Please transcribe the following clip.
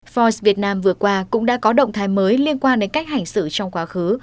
fores việt nam vừa qua cũng đã có động thái mới liên quan đến cách hành xử trong quá khứ